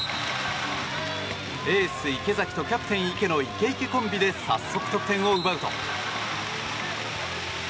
エース、池崎とキャプテン、池の池池コンビで早速、得点を奪うと。